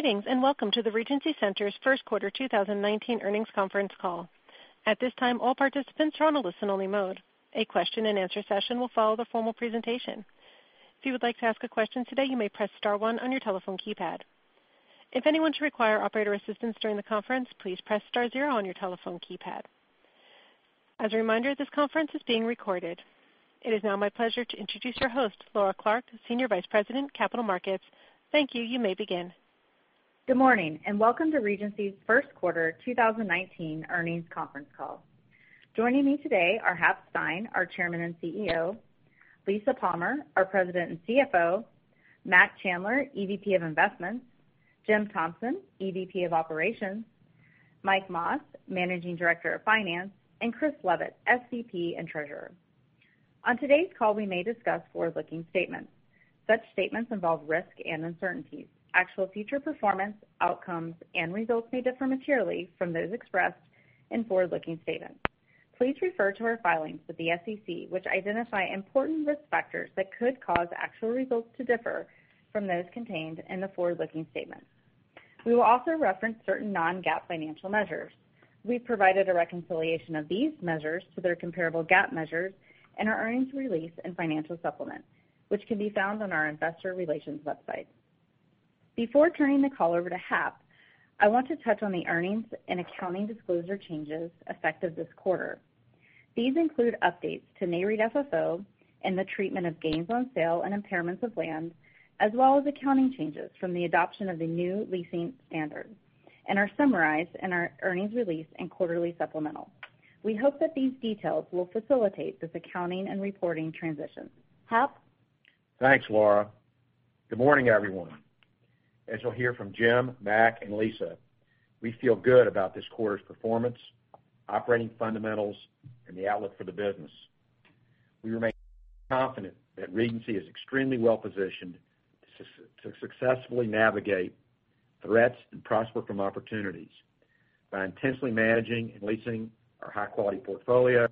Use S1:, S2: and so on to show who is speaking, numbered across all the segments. S1: Greetings, welcome to the Regency Centers' first quarter 2019 earnings conference call. At this time, all participants are on a listen-only mode. A question-and-answer session will follow the formal presentation. If you would like to ask a question today, you may press star one on your telephone keypad. If anyone should require operator assistance during the conference, please press star zero on your telephone keypad. As a reminder, this conference is being recorded. It is now my pleasure to introduce our host, Laura Clark, Senior Vice President, Capital Markets. Thank you. You may begin.
S2: Good morning, welcome to Regency's first quarter 2019 earnings conference call. Joining me today are Hap Stein, our Chairman and CEO; Lisa Palmer, our President and CFO; Mac Chandler, EVP of Investments; Jim Thompson, EVP of Operations; Mike Mas, Managing Director of Finance; Chris Leavitt, SVP and Treasurer. On today's call, we may discuss forward-looking statements. Such statements involve risk and uncertainties. Actual future performance, outcomes, and results may differ materially from those expressed in forward-looking statements. Please refer to our filings with the SEC, which identify important risk factors that could cause actual results to differ from those contained in the forward-looking statements. We will also reference certain non-GAAP financial measures. We've provided a reconciliation of these measures to their comparable GAAP measures in our earnings release and financial supplement, which can be found on our investor relations website. Before turning the call over to Hap, I want to touch on the earnings and accounting disclosure changes effective this quarter. These include updates to Nareit FFO and the treatment of gains on sale and impairments of land, as well as accounting changes from the adoption of the new leasing standard and are summarized in our earnings release and quarterly supplemental. We hope that these details will facilitate this accounting and reporting transition. Hap?
S3: Thanks, Laura. Good morning, everyone. As you'll hear from Jim, Mac, and Lisa, we feel good about this quarter's performance, operating fundamentals, the outlook for the business. We remain confident that Regency is extremely well-positioned to successfully navigate threats and prosper from opportunities by intensely managing and leasing our high-quality portfolio,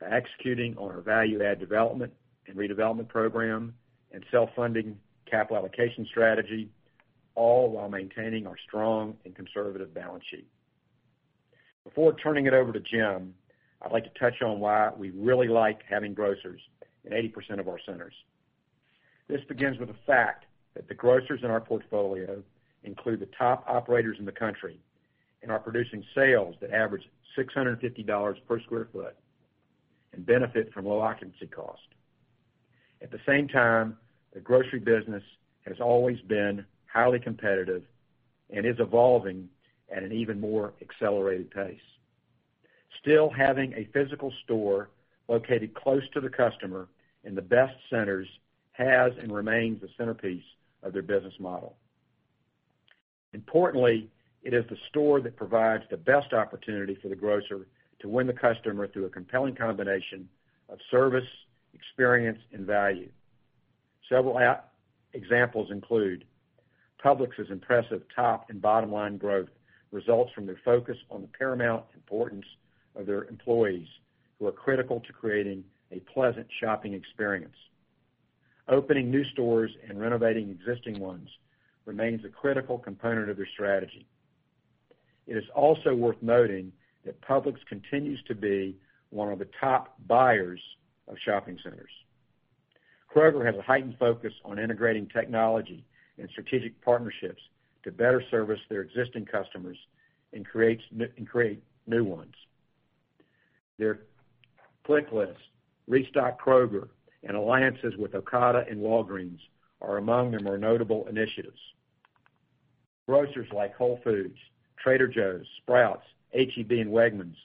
S3: by executing on our value-add development and redevelopment program, self-funding capital allocation strategy, all while maintaining our strong and conservative balance sheet. Before turning it over to Jim, I'd like to touch on why we really like having grocers in 80% of our centers. This begins with the fact that the grocers in our portfolio include the top operators in the country and are producing sales that average $650 per square foot and benefit from low occupancy cost. At the same time, the grocery business has always been highly competitive and is evolving at an even more accelerated pace. Still, having a physical store located close to the customer in the best centers has and remains the centerpiece of their business model. Importantly, it is the store that provides the best opportunity for the grocer to win the customer through a compelling combination of service, experience, and value. Several examples include Publix's impressive top and bottom-line growth results from their focus on the paramount importance of their employees, who are critical to creating a pleasant shopping experience. Opening new stores and renovating existing ones remains a critical component of their strategy. It is also worth noting that Publix continues to be one of the top buyers of shopping centers. Kroger has a heightened focus on integrating technology and strategic partnerships to better service their existing customers and create new ones. Their ClickList, Restock Kroger, and alliances with Ocado and Walgreens are among their more notable initiatives. Grocers like Whole Foods, Trader Joe's, Sprouts, H-E-B, and Wegmans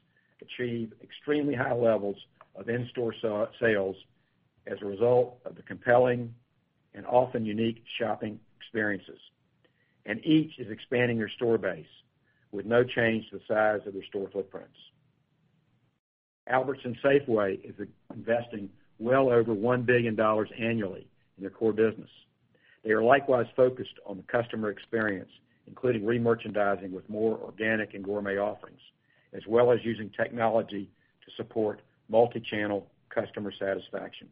S3: achieve extremely high levels of in-store sales as a result of the compelling and often unique shopping experiences. Each is expanding their store base with no change to the size of their store footprints. Albertsons-Safeway is investing well over $1 billion annually in their core business. They are likewise focused on the customer experience, including re-merchandising with more organic and gourmet offerings, as well as using technology to support multi-channel customer satisfaction.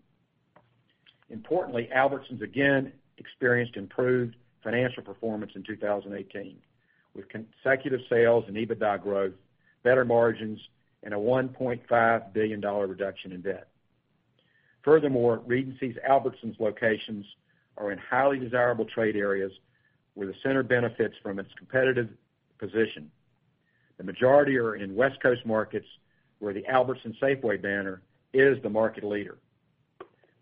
S3: Importantly, Albertsons again experienced improved financial performance in 2018, with consecutive sales and EBITDA growth, better margins, and a $1.5 billion reduction in debt. Furthermore, Regency's Albertsons locations are in highly desirable trade areas where the center benefits from its competitive position. The majority are in West Coast markets where the Albertsons-Safeway banner is the market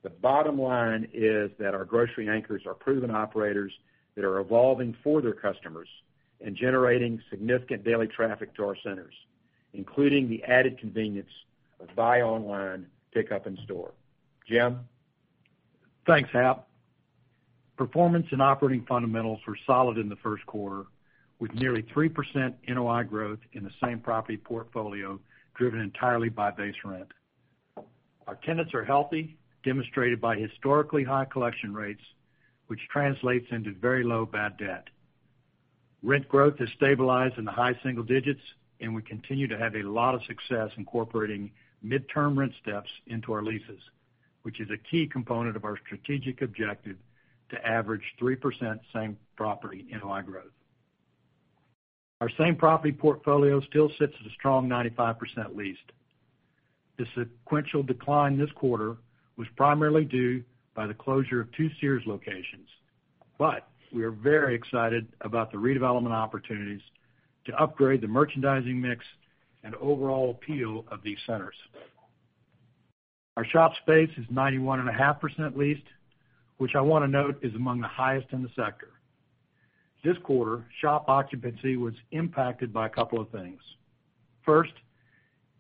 S3: leader. The bottom line is that our grocery anchors are proven operators that are evolving for their customers and generating significant daily traffic to our centers, including the added convenience of buy online, pick up in store. Jim?
S4: Thanks, Hap. Performance and operating fundamentals were solid in the first quarter, with nearly 3% NOI growth in the same-property portfolio driven entirely by base rent. Our tenants are healthy, demonstrated by historically high collection rates, which translates into very low bad debt. Rent growth has stabilized in the high single digits, and we continue to have a lot of success incorporating midterm rent steps into our leases, which is a key component of our strategic objective to average 3% same-property NOI growth. Our same-property portfolio still sits at a strong 95% leased. The sequential decline this quarter was primarily due by the closure of two Sears locations. But we are very excited about the redevelopment opportunities to upgrade the merchandising mix and overall appeal of these centers. Our shop space is 91.5% leased, which I want to note, is among the highest in the sector. This quarter, shop occupancy was impacted by a couple of things. First,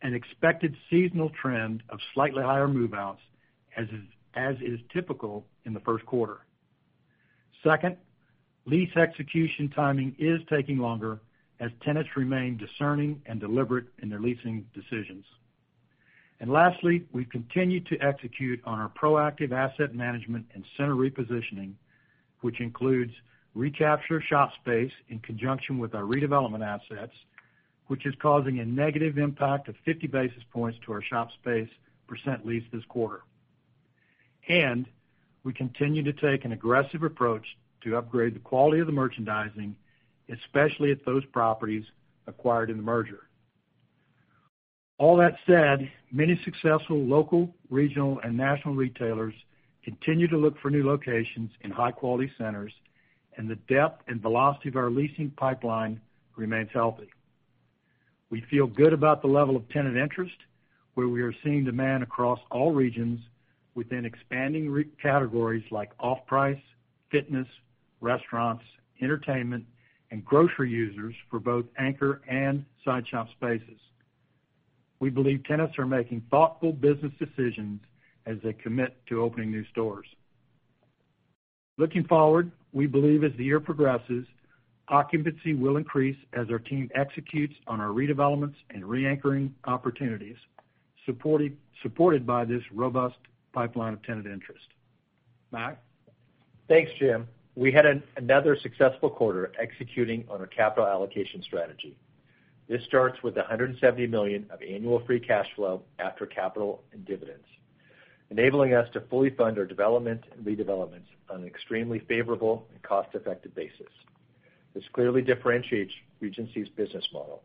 S4: an expected seasonal trend of slightly higher move-outs, as is typical in the first quarter. Second, lease execution timing is taking longer as tenants remain discerning and deliberate in their leasing decisions. Lastly, we've continued to execute on our proactive asset management and center repositioning, which includes recapture shop space in conjunction with our redevelopment assets, which is causing a negative impact of 50 basis points to our shop space percent leased this quarter. We continue to take an aggressive approach to upgrade the quality of the merchandising, especially at those properties acquired in the merger. All that said, many successful local, regional, and national retailers continue to look for new locations in high-quality centers, and the depth and velocity of our leasing pipeline remains healthy. We feel good about the level of tenant interest, where we are seeing demand across all regions within expanding categories like off-price, fitness, restaurants, entertainment, and grocery users for both anchor and side shop spaces. We believe tenants are making thoughtful business decisions as they commit to opening new stores. Looking forward, we believe as the year progresses, occupancy will increase as our team executes on our redevelopments and reanchoring opportunities, supported by this robust pipeline of tenant interest. Mac?
S5: Thanks, Jim. We had another successful quarter executing on our capital allocation strategy. This starts with $170 million of annual free cash flow after capital and dividends, enabling us to fully fund our development and redevelopments on an extremely favorable and cost-effective basis. This clearly differentiates Regency's business model.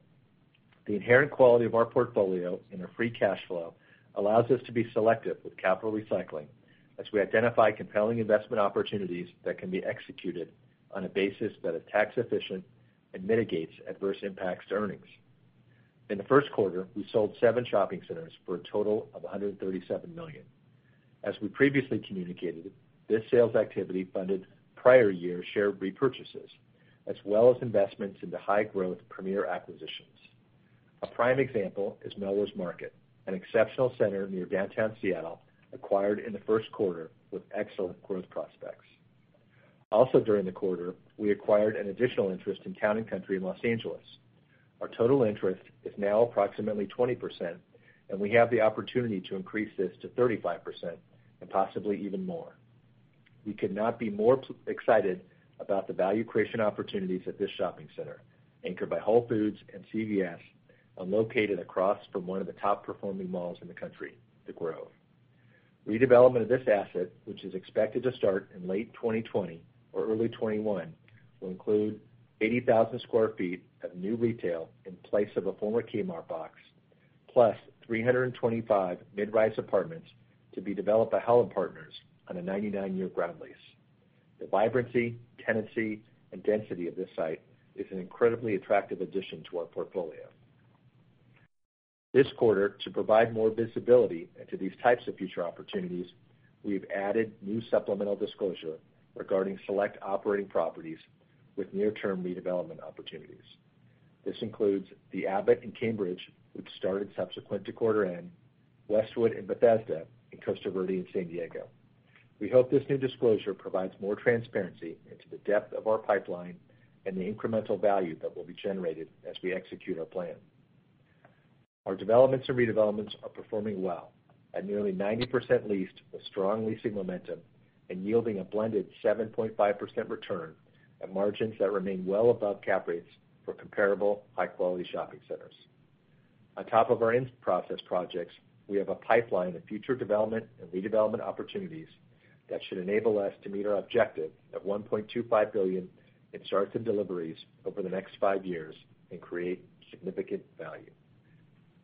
S5: The inherent quality of our portfolio and our free cash flow allows us to be selective with capital recycling as we identify compelling investment opportunities that can be executed on a basis that is tax efficient and mitigates adverse impacts to earnings. In the first quarter, we sold seven shopping centers for a total of $137 million. As we previously communicated, this sales activity funded prior year share repurchases, as well as investments into high-growth premier acquisitions. A prime example is Melrose Market, an exceptional center near downtown Seattle, acquired in the first quarter with excellent growth prospects. Also during the quarter, we acquired an additional interest in Town & Country in Los Angeles. Our total interest is now approximately 20%, and we have the opportunity to increase this to 35% and possibly even more. We could not be more excited about the value creation opportunities at this shopping center, anchored by Whole Foods and CVS, and located across from one of the top-performing malls in the country, The Grove. Redevelopment of this asset, which is expected to start in late 2020 or early 2021, will include 80,000 sq ft of new retail in place of a former Kmart box, plus 325 mid-rise apartments to be developed by Holland Partner Group on a 99-year ground lease. The vibrancy, tenancy, and density of this site is an incredibly attractive addition to our portfolio. This quarter, to provide more visibility into these types of future opportunities, we have added new supplemental disclosure regarding select operating properties with near-term redevelopment opportunities. This includes The Abbot in Cambridge, which started subsequent to quarter end, Westwood in Bethesda, and Costa Verde in San Diego. We hope this new disclosure provides more transparency into the depth of our pipeline and the incremental value that will be generated as we execute our plan. Our developments and redevelopments are performing well, at nearly 90% leased with strong leasing momentum and yielding a blended 7.5% return at margins that remain well above cap rates for comparable high-quality shopping centers. On top of our in-process projects, we have a pipeline of future development and redevelopment opportunities that should enable us to meet our objective of $1.25 billion in starts and deliveries over the next five years and create significant value.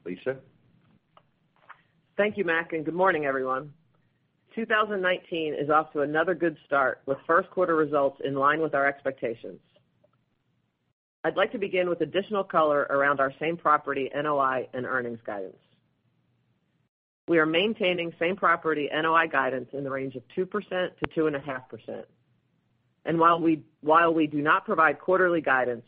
S5: Lisa?
S6: Thank you, Mac, and good morning, everyone. 2019 is off to another good start with first quarter results in line with our expectations. I would like to begin with additional color around our same-property NOI and earnings guidance. We are maintaining same-property NOI guidance in the range of 2%-2.5%. While we do not provide quarterly guidance,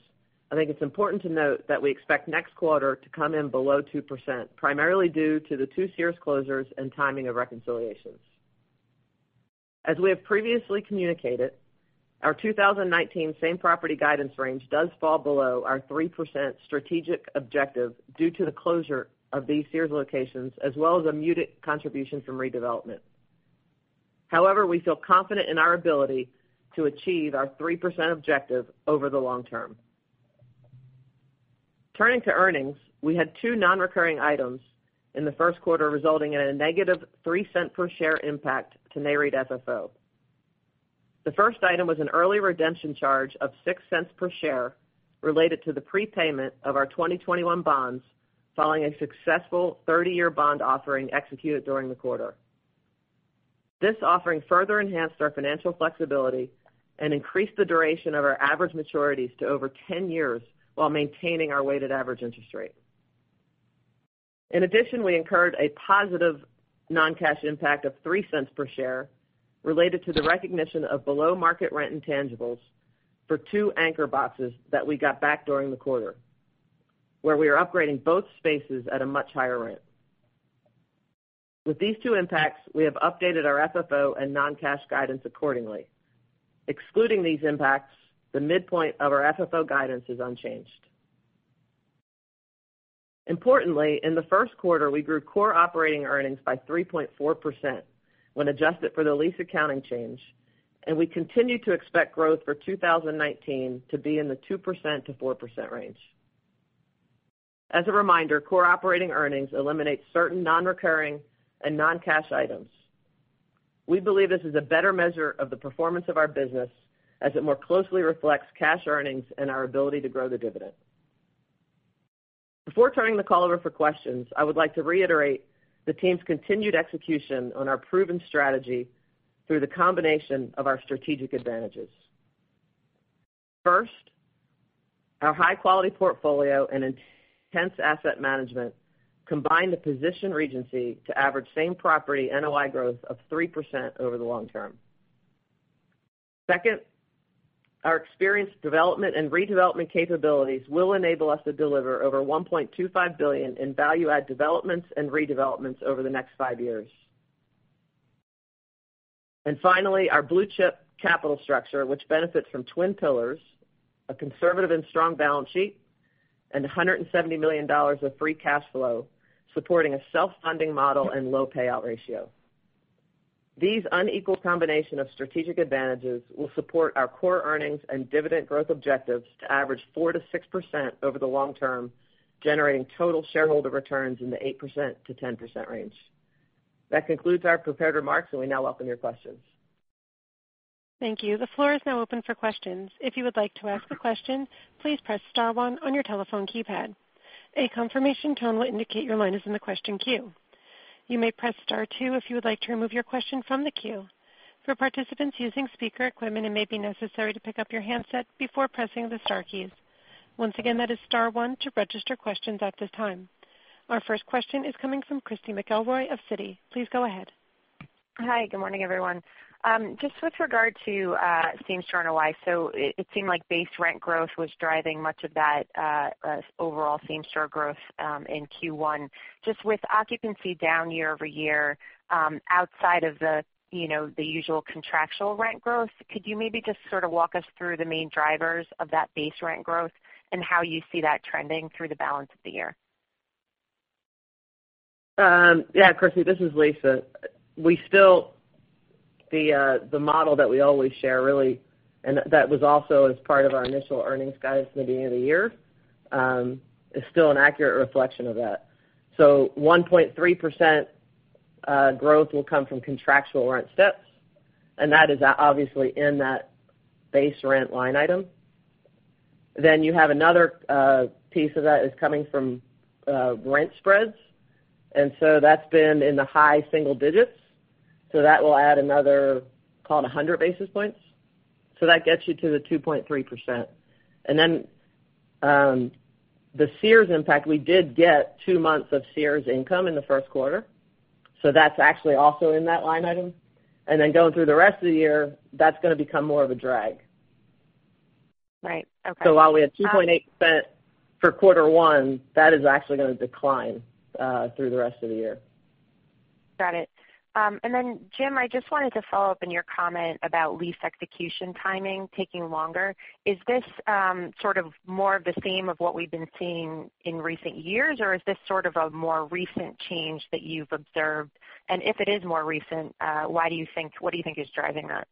S6: I think it is important to note that we expect next quarter to come in below 2%, primarily due to the two Sears closures and timing of reconciliations. As we have previously communicated, our 2019 same-property guidance range does fall below our 3% strategic objective due to the closure of these Sears locations, as well as a muted contribution from redevelopment. We feel confident in our ability to achieve our 3% objective over the long term. Turning to earnings, we had two non-recurring items in the first quarter, resulting in a negative $0.03 per share impact to Nareit FFO. The first item was an early redemption charge of $0.06 per share related to the prepayment of our 2021 bonds following a successful 30-year bond offering executed during the quarter. This offering further enhanced our financial flexibility and increased the duration of our average maturities to over 10 years while maintaining our weighted average interest rate. In addition, we incurred a positive non-cash impact of $0.03 per share related to the recognition of below-market rent intangibles for two anchor boxes that we got back during the quarter, where we are upgrading both spaces at a much higher rate. With these two impacts, we have updated our FFO and non-cash guidance accordingly. Excluding these impacts, the midpoint of our FFO guidance is unchanged. Importantly, in the first quarter, we grew core operating earnings by 3.4% when adjusted for the lease accounting change, and we continue to expect growth for 2019 to be in the 2%-4% range. As a reminder, core operating earnings eliminates certain non-recurring and non-cash items. We believe this is a better measure of the performance of our business as it more closely reflects cash earnings and our ability to grow the dividend. Before turning the call over for questions, I would like to reiterate the team's continued execution on our proven strategy through the combination of our strategic advantages. Our high-quality portfolio and intense asset management combine to position Regency to average same-property NOI growth of 3% over the long term. Second, our experienced development and redevelopment capabilities will enable us to deliver over $1.25 billion in value-add developments and redevelopments over the next five years. Finally, our blue-chip capital structure, which benefits from twin pillars, a conservative and strong balance sheet, and $170 million of free cash flow, supporting a self-funding model and low payout ratio. These unequal combination of strategic advantages will support our core earnings and dividend growth objectives to average 4%-6% over the long term, generating total shareholder returns in the 8%-10% range. That concludes our prepared remarks. We now welcome your questions.
S1: Thank you. The floor is now open for questions. If you would like to ask a question, please press star one on your telephone keypad. A confirmation tone will indicate your line is in the question queue. You may press star two if you would like to remove your question from the queue. For participants using speaker equipment, it may be necessary to pick up your handset before pressing the star keys. Once again, that is star one to register questions at this time. Our first question is coming from Christy McElroy of Citi. Please go ahead.
S7: Hi. Good morning, everyone. Just with regard to same-store NOI. It seemed like base rent growth was driving much of that overall same-store growth in Q1. Just with occupancy down year-over-year, outside of the usual contractual rent growth, could you maybe just sort of walk us through the main drivers of that base rent growth and how you see that trending through the balance of the year?
S6: Yeah, Christy. This is Lisa. The model that we always share, really, that was also as part of our initial earnings guidance in the beginning of the year, is still an accurate reflection of that. 1.3% growth will come from contractual rent steps, that is obviously in that base rent line item. You have another piece of that is coming from rent spreads, that's been in the high single digits. That will add another, call it 100 basis points. That gets you to the 2.3%. The Sears impact, we did get two months of Sears income in the first quarter, that's actually also in that line item. Going through the rest of the year, that's going to become more of a drag.
S7: Right. Okay.
S6: While we had $0.028 for quarter one, that is actually going to decline through the rest of the year.
S7: Got it. Then Jim, I just wanted to follow up on your comment about lease execution timing taking longer. Is this sort of more of the same of what we've been seeing in recent years, or is this sort of a more recent change that you've observed? If it is more recent, what do you think is driving that?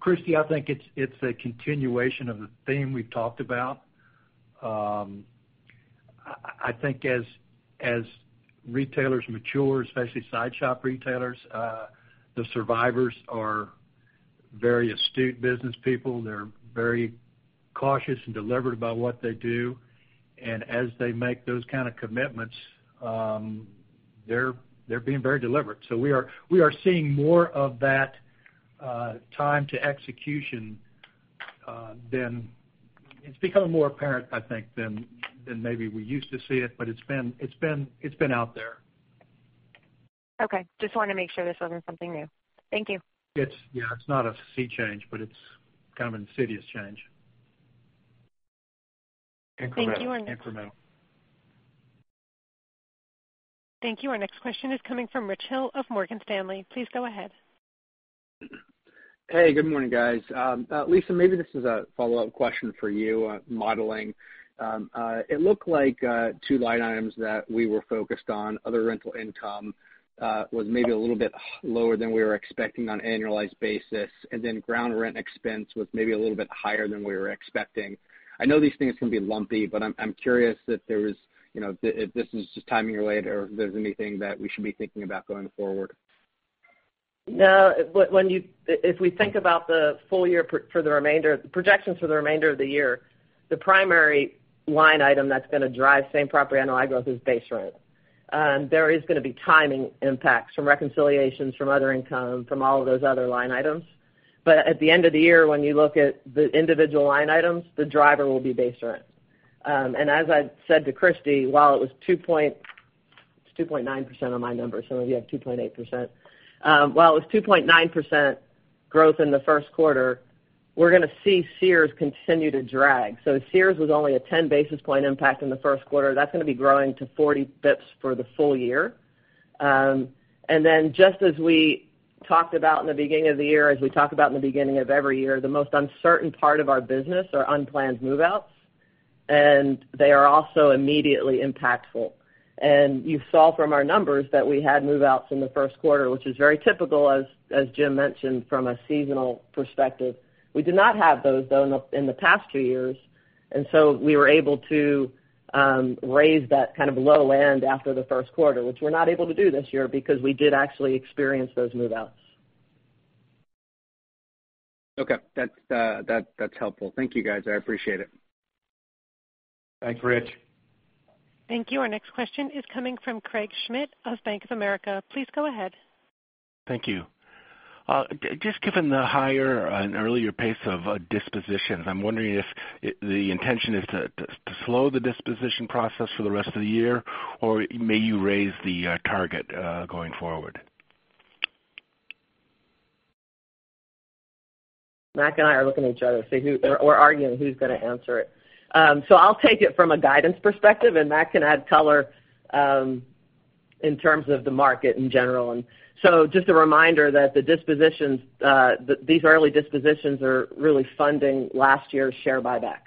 S4: Christy, I think it's a continuation of the theme we've talked about. I think as retailers mature, especially side-shop retailers, the survivors are very astute business people. They're very cautious and deliberate about what they do. As they make those kind of commitments, they're being very deliberate. We are seeing more of that time to execution. It's becoming more apparent, I think, than maybe we used to see it, but it's been out there.
S7: Okay. Just wanted to make sure this wasn't something new. Thank you.
S4: Yeah, it's not a sea change, but it's kind of insidious change. Incremental.
S1: Thank you. Our next-
S4: Incremental.
S1: Thank you. Our next question is coming from Rich Hill of Morgan Stanley. Please go ahead.
S8: Hey, good morning, guys. Lisa, maybe this is a follow-up question for you on modeling. It looked like two line items that we were focused on, other rental income, was maybe a little bit lower than we were expecting on annualized basis, and then ground rent expense was maybe a little bit higher than we were expecting. I know these things can be lumpy, but I'm curious if this is just timing related, or if there's anything that we should be thinking about going forward.
S6: No. If we think about the full year for the remainder, the projections for the remainder of the year, the primary line item that's going to drive same-property annual growth is base rent. There is going to be timing impacts from reconciliations from other income, from all of those other line items. At the end of the year, when you look at the individual line items, the driver will be base rent. As I said to Christy, while it was 2.9% on my numbers, I know you have 2.8%. While it was 2.9% growth in the first quarter, we're going to see Sears continue to drag. Sears was only a 10 basis point impact in the first quarter. That's going to be growing to 40 basis points for the full year. Just as we talked about in the beginning of the year, as we talk about in the beginning of every year, the most uncertain part of our business are unplanned move-outs, and they are also immediately impactful. You saw from our numbers that we had move-outs in the first quarter, which is very typical as Jim mentioned, from a seasonal perspective. We did not have those, though, in the past two years, so we were able to raise that kind of low end after the first quarter, which we're not able to do this year because we did actually experience those move-outs.
S8: Okay. That's helpful. Thank you, guys. I appreciate it.
S3: Thanks, Rich.
S1: Thank you. Our next question is coming from Craig Schmidt of Bank of America. Please go ahead.
S9: Thank you. Just given the higher and earlier pace of dispositions, I'm wondering if the intention is to slow the disposition process for the rest of the year, or may you raise the target going forward?
S6: Mac and I are looking at each other, we're arguing who's going to answer it. I'll take it from a guidance perspective, and Mac can add color in terms of the market in general. Just a reminder that these early dispositions are really funding last year's share buyback.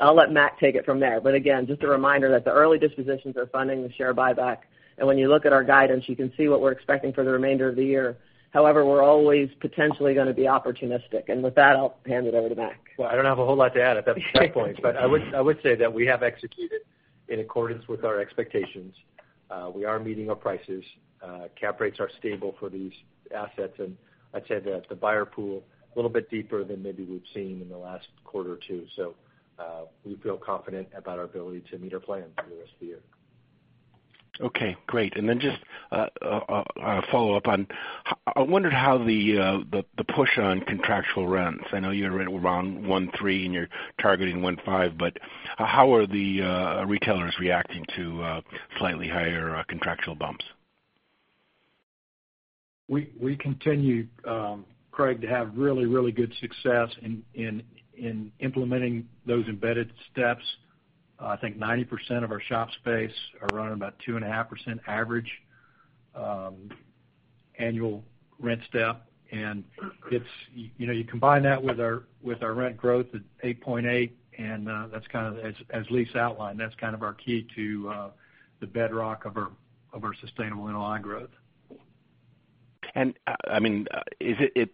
S6: I'll let Mac take it from there, but again, just a reminder that the early dispositions are funding the share buyback, and when you look at our guidance, you can see what we're expecting for the remainder of the year. However, we're always potentially going to be opportunistic. With that, I'll hand it over to Mac.
S5: I don't have a whole lot to add at that point. I would say that we have executed in accordance with our expectations. We are meeting our prices. Cap rates are stable for these assets. I'd say that the buyer pool, a little bit deeper than maybe we've seen in the last quarter or two. We feel confident about our ability to meet our plans for the rest of the year.
S9: Okay, great. Just a follow-up on, I wondered how the push on contractual rents. I know you're right around 1.3 and you're targeting 1.5. How are the retailers reacting to slightly higher contractual bumps?
S4: We continue, Craig, to have really good success in implementing those embedded steps. I think 90% of our shop space are running about 2.5% average annual rent step. You combine that with our rent growth at 8.8. As Lisa outlined, that's kind of our key to the bedrock of our sustainable NOI growth.
S9: Is it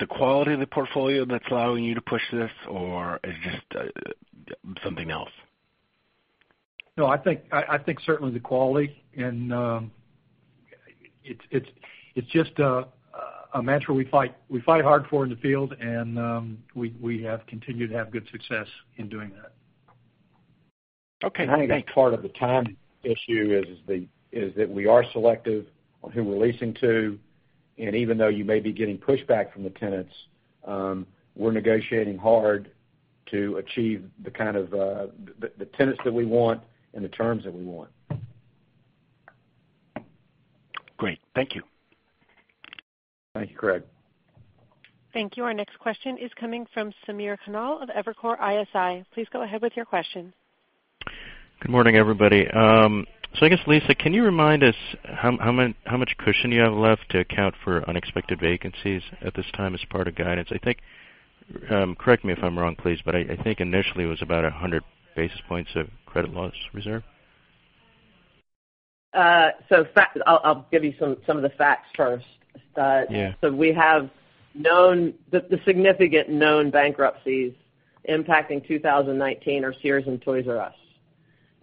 S9: the quality of the portfolio that's allowing you to push this, or is it just something else?
S4: No, I think certainly the quality. It's just a match where we fight hard for in the field. We have continued to have good success in doing that.
S9: Okay, thank you.
S3: I think part of the timing issue is that we are selective on who we're leasing to. Even though you may be getting pushback from the tenants, we're negotiating hard to achieve the kind of tenants that we want and the terms that we want.
S9: Great. Thank you.
S3: Thank you, Craig.
S1: Thank you. Our next question is coming from Samir Khanal of Evercore ISI. Please go ahead with your question.
S10: Good morning, everybody. I guess, Lisa, can you remind us how much cushion you have left to account for unexpected vacancies at this time as part of guidance? I think, correct me if I'm wrong, please, but I think initially it was about 100 basis points of credit loss reserve.
S6: I'll give you some of the facts first.
S10: Yeah.
S6: We have the significant known bankruptcies impacting 2019 are Sears and Toys R Us.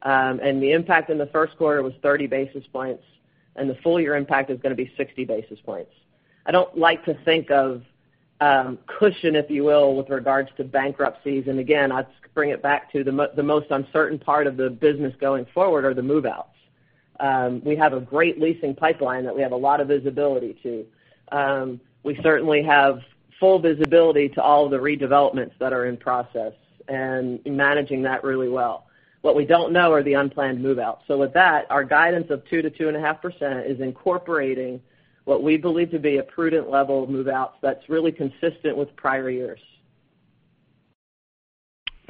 S6: The impact in the first quarter was 30 basis points, and the full year impact is going to be 60 basis points. I don't like to think of cushion, if you will, with regards to bankruptcies. Again, I'd bring it back to the most uncertain part of the business going forward are the move-outs. We have a great leasing pipeline that we have a lot of visibility to. We certainly have full visibility to all the redevelopments that are in process and managing that really well. What we don't know are the unplanned move-outs. With that, our guidance of 2 to 2.5% is incorporating what we believe to be a prudent level of move-outs that's really consistent with prior years.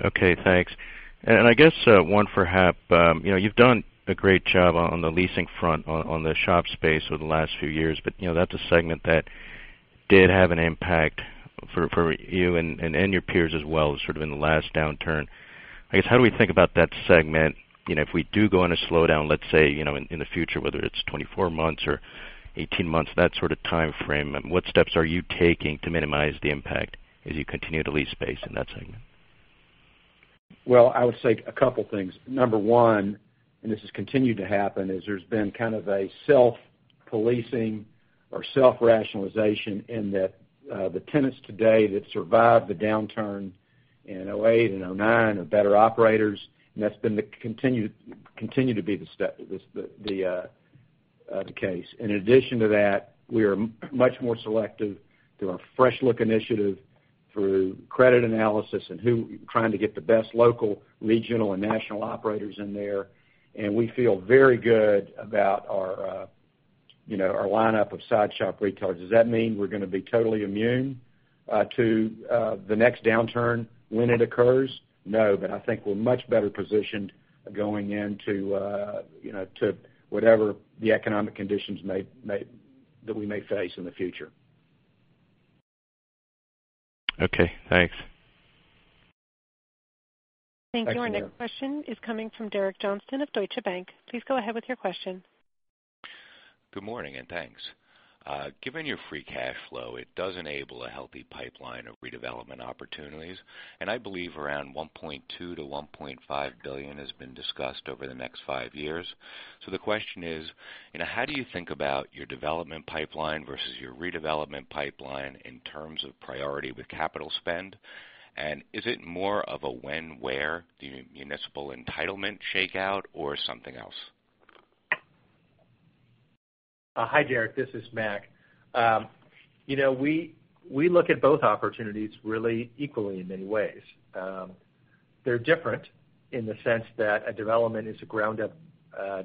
S10: Okay, thanks. I guess, one for Hap. You've done a great job on the leasing front on the shop space over the last few years, but that's a segment that did have an impact for you and your peers as well, sort of in the last downturn. I guess, how do we think about that segment? If we do go on a slowdown, let's say, in the future, whether it's 24 months or 18 months, that sort of timeframe, what steps are you taking to minimize the impact as you continue to lease space in that segment?
S3: Well, I would say a couple things. Number one, and this has continued to happen, is there's been kind of a self-policing or self-rationalization in that the tenants today that survived the downturn in 2008 and 2009 are better operators, and that's continued to be the case. In addition to that, we are much more selective through our Fresh Look initiative, through credit analysis and trying to get the best local, regional, and national operators in there, and we feel very good about our lineup of side shop retailers. Does that mean we're going to be totally immune to the next downturn when it occurs? No. I think we're much better positioned going into whatever the economic conditions that we may face in the future.
S10: Okay, thanks.
S1: Thank you. Our next question is coming from Derek Johnston of Deutsche Bank. Please go ahead with your question.
S11: Good morning, and thanks. Given your free cash flow, it does enable a healthy pipeline of redevelopment opportunities, I believe around $1.2 billion-$1.5 billion has been discussed over the next 5 years. The question is, how do you think about your development pipeline versus your redevelopment pipeline in terms of priority with capital spend? Is it more of a when, where, the municipal entitlement shakeout or something else?
S5: Hi, Derek. This is Mac. We look at both opportunities really equally in many ways. They're different in the sense that a development is a ground-up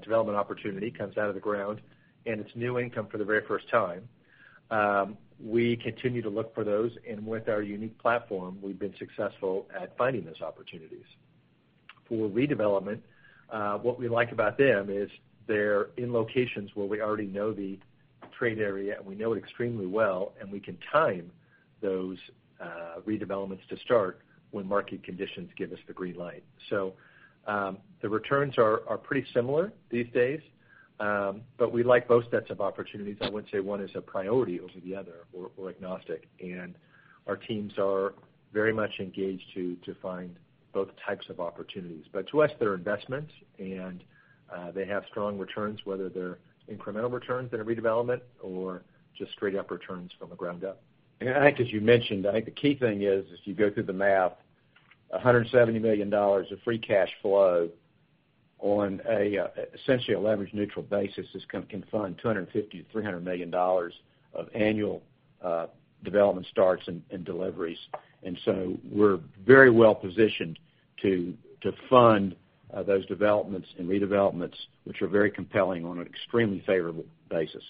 S5: development opportunity, comes out of the ground, it's new income for the very first time. We continue to look for those, with our unique platform, we've been successful at finding those opportunities. For redevelopment, what we like about them is they're in locations where we already know the trade area, we know it extremely well, we can time those redevelopments to start when market conditions give us the green light. The returns are pretty similar these days, we like both sets of opportunities. I wouldn't say one is a priority over the other. We're agnostic, our teams are very much engaged to find both types of opportunities. To us, they're investments, they have strong returns, whether they're incremental returns in a redevelopment or just straight-up returns from the ground up.
S3: As you mentioned, I think the key thing is, as you go through the math, $170 million of free cash flow on essentially a leverage-neutral basis can fund $250 million to $300 million of annual development starts and deliveries. We're very well positioned to fund those developments and redevelopments, which are very compelling on an extremely favorable basis.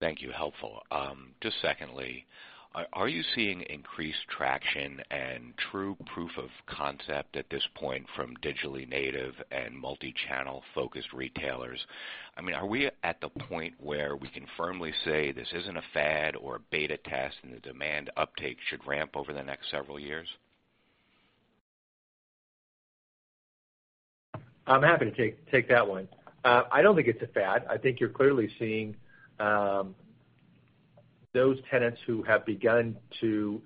S11: Thank you. Helpful. Just secondly, are you seeing increased traction and true proof of concept at this point from digitally native and multi-channel focused retailers? Are we at the point where we can firmly say this isn't a fad or a beta test and the demand uptake should ramp over the next several years?
S5: I'm happy to take that one. I don't think it's a fad. I think you're clearly seeing those tenants who have begun to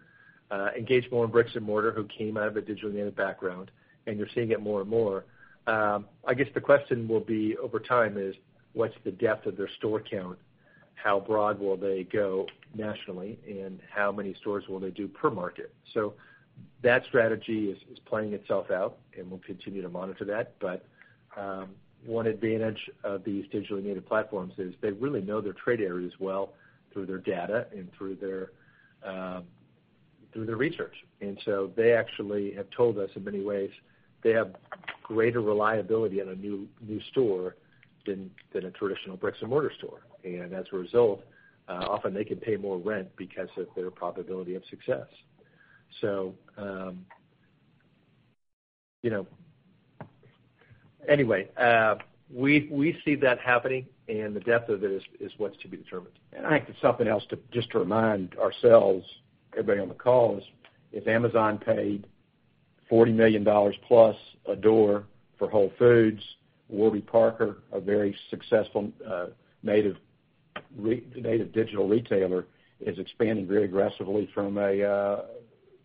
S5: engage more in bricks and mortar who came out of a digitally native background, and you're seeing it more and more. I guess the question will be over time is, what's the depth of their store count? How broad will they go nationally, and how many stores will they do per market? That strategy is playing itself out, and we'll continue to monitor that. One advantage of these digitally native platforms is they really know their trade areas well through their data and through their research. They actually have told us in many ways they have greater reliability in a new store than a traditional bricks and mortar store. As a result, often they can pay more rent because of their probability of success. Anyway, we see that happening, and the depth of it is what's to be determined.
S3: I think that something else, just to remind ourselves, everybody on the call is, if Amazon paid $40 million plus a door for Whole Foods, Warby Parker, a very successful native digital retailer, is expanding very aggressively from a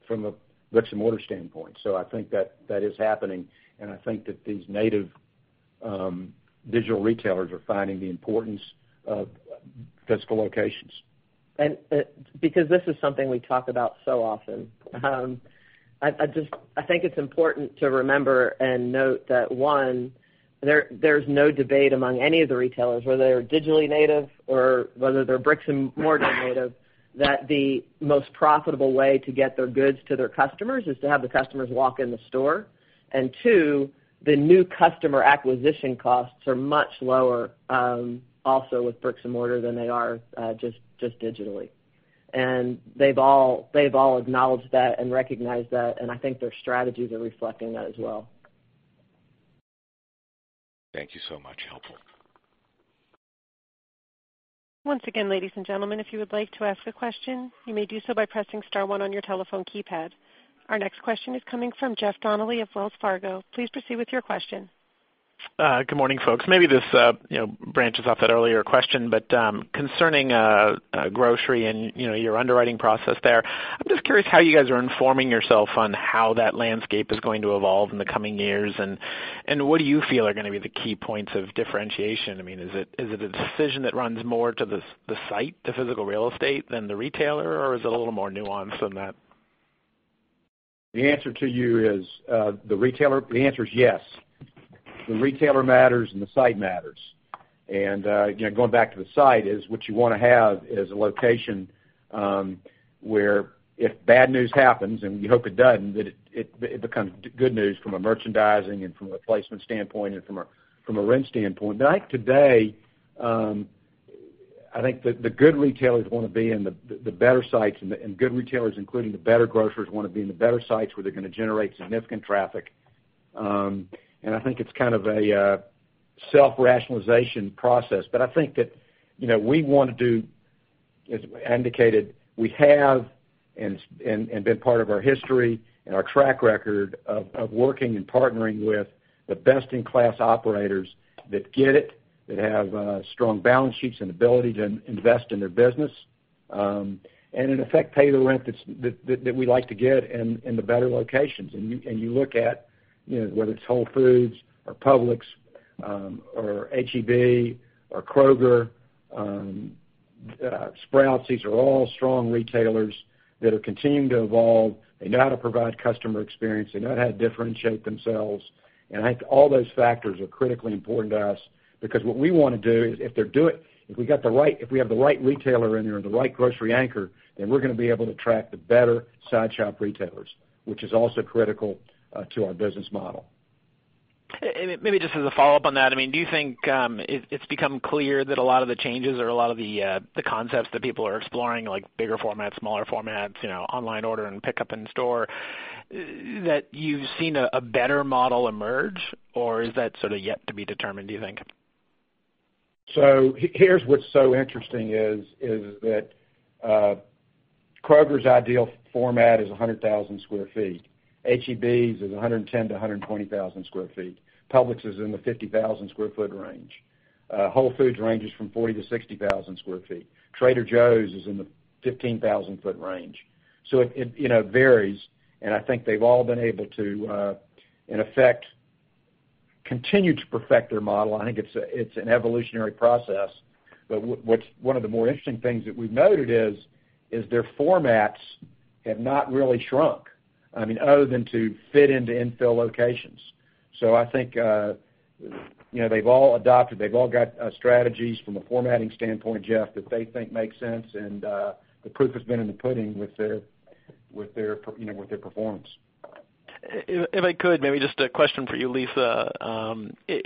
S3: bricks and mortar standpoint. I think that is happening, I think that these native digital retailers are finding the importance of physical locations.
S6: Because this is something we talk about so often, I think it's important to remember and note that, one, there's no debate among any of the retailers, whether they're digitally native or whether they're bricks and mortar native, that the most profitable way to get their goods to their customers is to have the customers walk in the store. Two, the new customer acquisition costs are much lower, also with bricks and mortar than they are just digitally. They've all acknowledged that and recognized that, I think their strategies are reflecting that as well.
S11: Thank you so much. Helpful.
S1: Once again, ladies and gentlemen, if you would like to ask a question, you may do so by pressing star one on your telephone keypad. Our next question is coming from Jeff Donnelly of Wells Fargo. Please proceed with your question.
S12: Good morning, folks. Maybe this branches off that earlier question, but concerning grocery and your underwriting process there, I'm just curious how you guys are informing yourself on how that landscape is going to evolve in the coming years, and what do you feel are going to be the key points of differentiation? Is it a decision that runs more to the site, the physical real estate, than the retailer, or is it a little more nuanced than that?
S3: The answer to you is the answer is yes. The retailer matters and the site matters. Going back to the site is what you want to have is a location, where if bad news happens, and you hope it doesn't, that it becomes good news from a merchandising and from a placement standpoint and from a rent standpoint. I think today, the good retailers want to be in the better sites, and good retailers, including the better grocers, want to be in the better sites where they're going to generate significant traffic. I think it's kind of a self-rationalization process. I think that we want to do, as indicated, we have and been part of our history and our track record of working and partnering with the best-in-class operators that get it, that have strong balance sheets and ability to invest in their business, and in effect, pay the rent that we like to get in the better locations. You look at whether it's Whole Foods or Publix, or H-E-B or Kroger, Sprouts, these are all strong retailers that are continuing to evolve. They know how to provide customer experience. They know how to differentiate themselves. I think all those factors are critically important to us because what we want to do is if we have the right retailer in there, the right grocery anchor, then we're going to be able to attract the better side shop retailers, which is also critical to our business model.
S12: Maybe just as a follow-up on that, do you think it's become clear that a lot of the changes or a lot of the concepts that people are exploring, like bigger formats, smaller formats, online order and pickup in store, that you've seen a better model emerge? Or is that sort of yet to be determined, do you think?
S3: Here's what's so interesting is that Kroger's ideal format is 100,000 square feet. H-E-B's is 110,000-120,000 square feet. Publix is in the 50,000 square foot range. Whole Foods ranges from 40,000-60,000 square feet. Trader Joe's is in the 15,000-foot range. It varies, and I think they've all been able to, in effect, continue to perfect their model. I think it's an evolutionary process, one of the more interesting things that we've noted is their formats have not really shrunk, other than to fit into infill locations. I think they've all adopted, they've all got strategies from a formatting standpoint, Jeff, that they think make sense, and the proof has been in the pudding with their performance.
S12: If I could, maybe just a question for you, Lisa.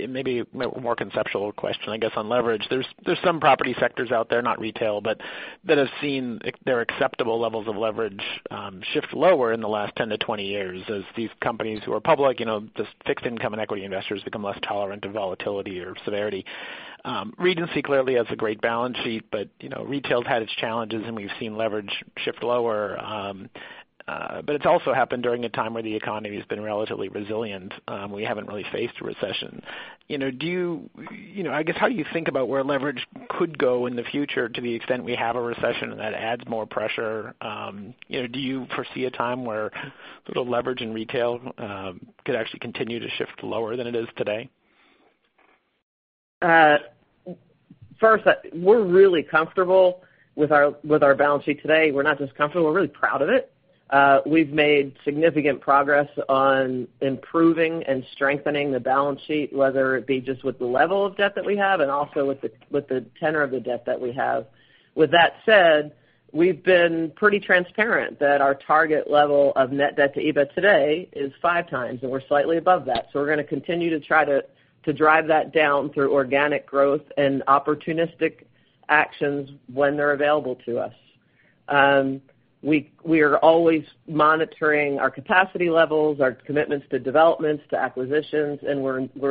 S12: Maybe a more conceptual question, I guess, on leverage. There's some property sectors out there, not retail, that have seen their acceptable levels of leverage shift lower in the last 10-20 years as these companies who are public, the fixed income and equity investors become less tolerant of volatility or severity. Regency clearly has a great balance sheet, retail's had its challenges, and we've seen leverage shift lower. It's also happened during a time where the economy has been relatively resilient. We haven't really faced a recession. I guess, how do you think about where leverage could go in the future to the extent we have a recession and that adds more pressure? Do you foresee a time where sort of leverage in retail could actually continue to shift lower than it is today?
S6: First, we're really comfortable with our balance sheet today. We're not just comfortable, we're really proud of it. We've made significant progress on improving and strengthening the balance sheet, whether it be just with the level of debt that we have and also with the tenor of the debt that we have. With that said, we've been pretty transparent that our target level of net debt to EBITDA today is five times, and we're slightly above that. We're going to continue to try to drive that down through organic growth and opportunistic actions when they're available to us. We are always monitoring our capacity levels, our commitments to developments, to acquisitions, and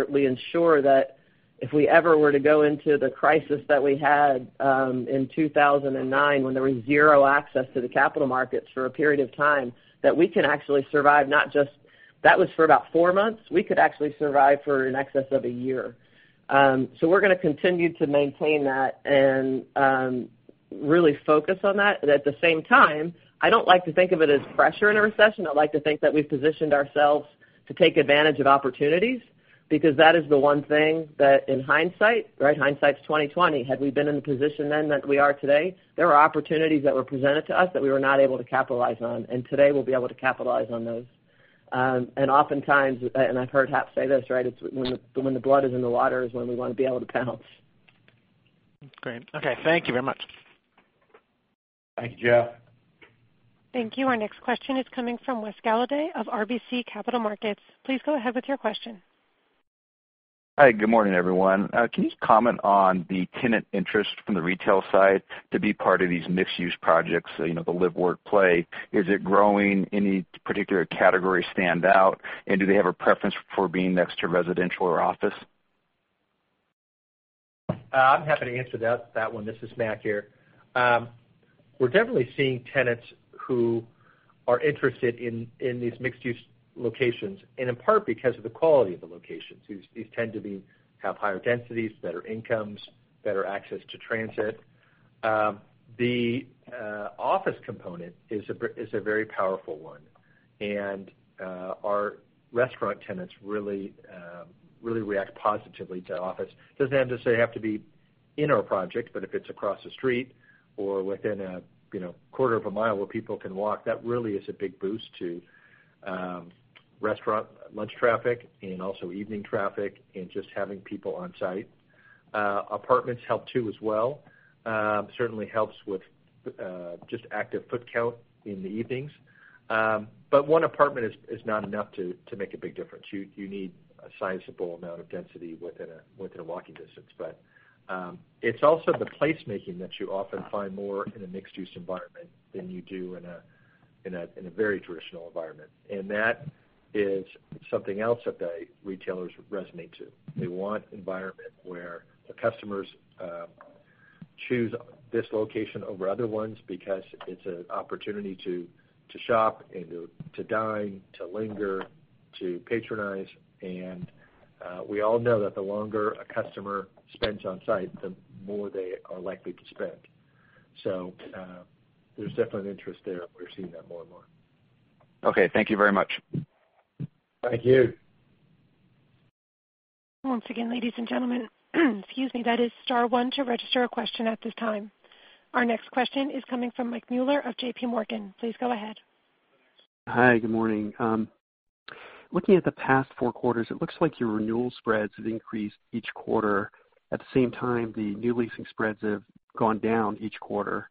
S6: we ensure that if we ever were to go into the crisis that we had in 2009 when there was zero access to the capital markets for a period of time, that we can actually survive, not just that was for about four months. We could actually survive for in excess of one year. We're going to continue to maintain that and really focus on that. At the same time, I don't like to think of it as pressure in a recession. I like to think that we've positioned ourselves to take advantage of opportunities because that is the one thing that in hindsight's 2020. Had we been in the position then that we are today, there are opportunities that were presented to us that we were not able to capitalize on, today we'll be able to capitalize on those. Oftentimes, and I've heard Hap say this, when the blood is in the water is when we want to be able to pounce.
S12: Great. Okay. Thank you very much.
S3: Thank you, Jeff.
S1: Thank you. Our next question is coming from Wes Golladay of RBC Capital Markets. Please go ahead with your question.
S13: Hi, good morning, everyone. Can you just comment on the tenant interest from the retail side to be part of these mixed-use projects, the live, work, play? Is it growing? Any particular category stand out, and do they have a preference for being next to residential or office?
S5: I'm happy to answer that one. This is Mac here. We're definitely seeing tenants who are interested in these mixed-use locations, and in part, because of the quality of the locations. These tend to have higher densities, better incomes, better access to transit. The office component is a very powerful one, and our restaurant tenants really react positively to office. Doesn't necessarily have to be in our project, but if it's across the street or within a quarter of a mile where people can walk, that really is a big boost to restaurant lunch traffic and also evening traffic and just having people on site. Apartments help too as well. Certainly helps with just active foot count in the evenings. One apartment is not enough to make a big difference. You need a sizable amount of density within a walking distance. It's also the placemaking that you often find more in a mixed-use environment than you do in a very traditional environment. That is something else that the retailers resonate to. They want environment where the customers choose this location over other ones because it's an opportunity to shop and to dine, to linger, to patronize, and we all know that the longer a customer spends on site, the more they are likely to spend. There's definitely an interest there, and we're seeing that more and more.
S13: Okay. Thank you very much.
S5: Thank you.
S1: Once again, ladies and gentlemen excuse me, that is star one to register a question at this time. Our next question is coming from Michael Mueller of JPMorgan. Please go ahead.
S14: Hi. Good morning. Looking at the past four quarters, it looks like your renewal spreads have increased each quarter. At the same time, the new leasing spreads have gone down each quarter.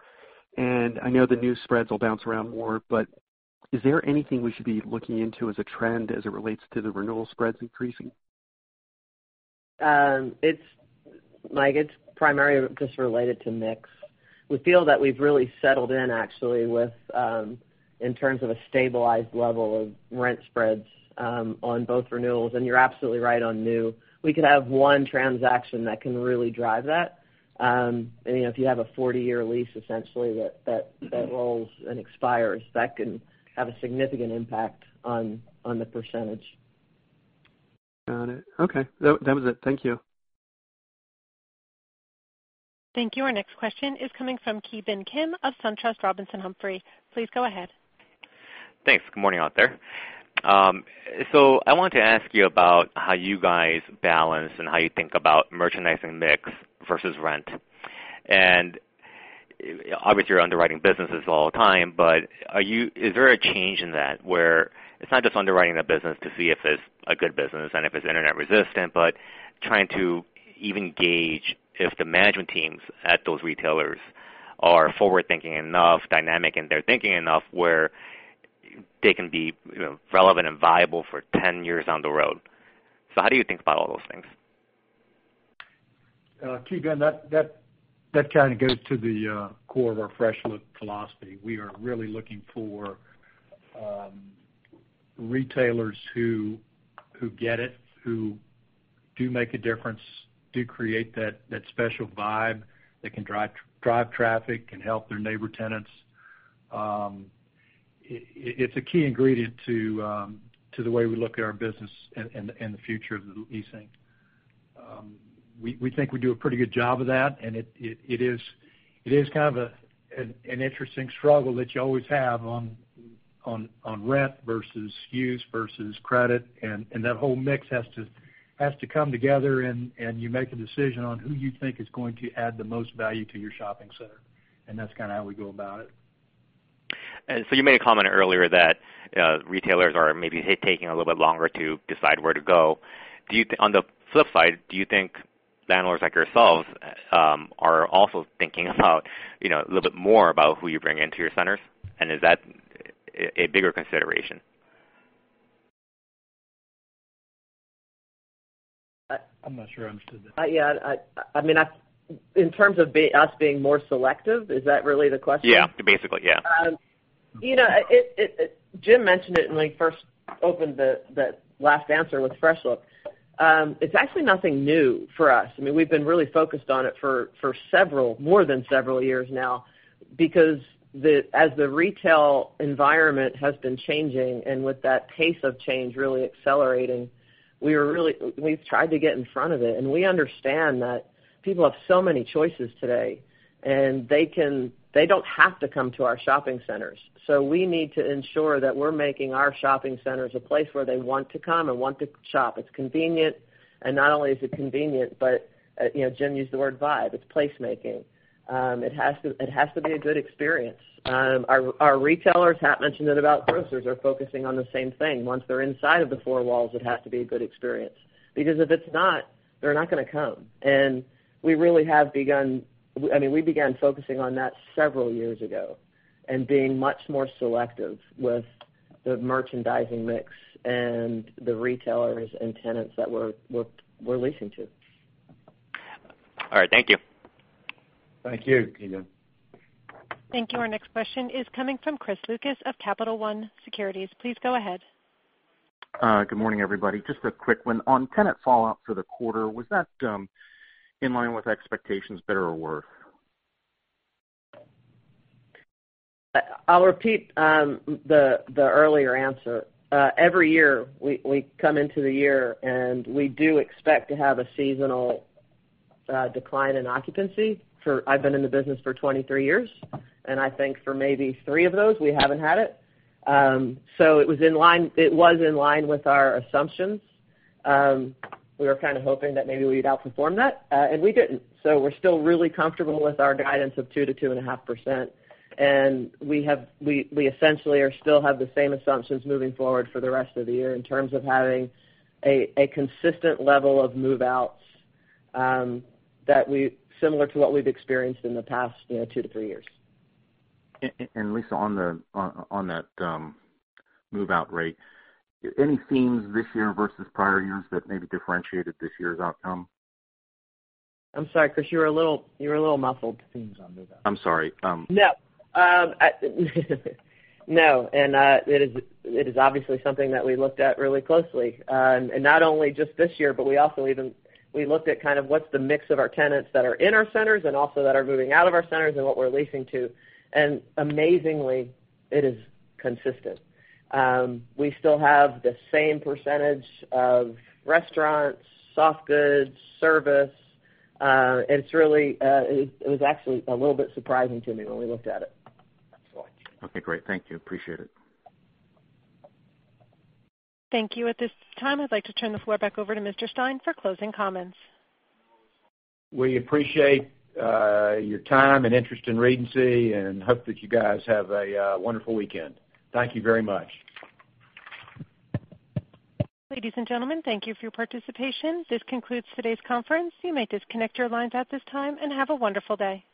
S14: I know the new spreads will bounce around more, but is there anything we should be looking into as a trend as it relates to the renewal spreads increasing?
S6: Mike, it's primarily just related to mix. We feel that we've really settled in actually, in terms of a stabilized level of rent spreads on both renewals, and you're absolutely right on new. We could have one transaction that can really drive that. If you have a 40-year lease, essentially that rolls and expires, that can have a significant impact on the percentage.
S14: Got it. Okay. That was it. Thank you.
S1: Thank you. Our next question is coming from Ki Bin Kim of SunTrust Robinson Humphrey. Please go ahead.
S15: Thanks. Good morning, out there. I wanted to ask you about how you guys balance and how you think about merchandising mix versus rent. Obviously, you're underwriting businesses all the time, but is there a change in that, where it's not just underwriting the business to see if it's a good business and if it's internet resistant, but trying to even gauge if the management teams at those retailers are forward-thinking enough, dynamic in their thinking enough, where they can be relevant and viable for 10 years down the road. How do you think about all those things?
S5: Ki Bin, that kind of goes to the core of our Fresh Look philosophy. We are really looking for retailers who get it, who do make a difference, do create that special vibe, that can drive traffic, can help their neighbor tenants. It's a key ingredient to the way we look at our business and the future of the leasing. We think we do a pretty good job of that, and it is kind of an interesting struggle that you always have on rent versus use, versus credit, and that whole mix has to come together, and you make a decision on who you think is going to add the most value to your shopping center. That's kind of how we go about it.
S15: You made a comment earlier that retailers are maybe taking a little bit longer to decide where to go. On the flip side, do you think landlords like yourselves are also thinking about a little bit more about who you bring into your centers, and is that a bigger consideration?
S4: I'm not sure I understood that.
S6: Yeah. In terms of us being more selective, is that really the question?
S15: Yeah. Basically, yeah.
S6: Jim mentioned it when he first opened the last answer with Fresh Look. It's actually nothing new for us. We've been really focused on it for more than several years now because as the retail environment has been changing and with that pace of change really accelerating, we've tried to get in front of it. We understand that people have so many choices today, and they don't have to come to our shopping centers. We need to ensure that we're making our shopping centers a place where they want to come and want to shop. It's convenient, and not only is it convenient, but Jim used the word vibe. It's placemaking. It has to be a good experience. Our retailers, Hap mentioned it about grocers, are focusing on the same thing. Once they're inside of the four walls, it has to be a good experience. Because if it's not, they're not going to come. We began focusing on that several years ago and being much more selective with the merchandising mix and the retailers and tenants that we're leasing to.
S15: All right. Thank you.
S3: Thank you, Ki Bin.
S1: Thank you. Our next question is coming from Chris Lucas of Capital One Securities. Please go ahead.
S16: Good morning, everybody. Just a quick one. On tenant fallout for the quarter, was that in line with expectations, better or worse?
S6: I'll repeat the earlier answer. Every year, we come into the year, we do expect to have a seasonal decline in occupancy. I've been in the business for 23 years, I think for maybe three of those, we haven't had it. It was in line with our assumptions. We were kind of hoping that maybe we'd outperform that, we didn't. We're still really comfortable with our guidance of 2%-2.5%, we essentially still have the same assumptions moving forward for the rest of the year in terms of having a consistent level of move-outs, similar to what we've experienced in the past two to three years.
S16: Lisa, on that move-out rate, any themes this year versus prior years that maybe differentiated this year's outcome?
S6: I'm sorry, Chris, you were a little muffled.
S16: Themes on move-out. I'm sorry.
S6: No. No, it is obviously something that we looked at really closely. Not only just this year, but we also even looked at kind of what's the mix of our tenants that are in our centers and also that are moving out of our centers and what we're leasing to. Amazingly, it is consistent. We still have the same percentage of restaurants, soft goods, service. It was actually a little bit surprising to me when we looked at it.
S16: Excellent. Okay, great. Thank you. Appreciate it.
S1: Thank you. At this time, I'd like to turn the floor back over to Mr. Stein for closing comments.
S3: We appreciate your time and interest in Regency and hope that you guys have a wonderful weekend. Thank you very much.
S1: Ladies and gentlemen, thank you for your participation. This concludes today's conference. You may disconnect your lines at this time, and have a wonderful day.